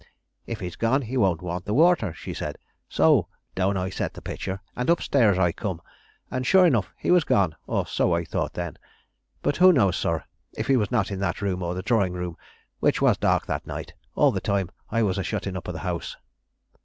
'If he's gone, he won't want the water,' she said. So down I set the pitcher, and up stairs I come; and sure enough he was gone, or so I thought then. But who knows, sir, if he was not in that room or the drawing room, which was dark that night, all the time I was a shutting up of the house?"